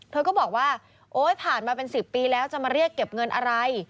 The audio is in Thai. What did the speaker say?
เธอก็บอกว่าโอ๊ยผ่านมาเป็น๑๐ปีแล้วจะมาเรียกเก็บเงินอะไร